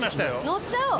乗っちゃおう！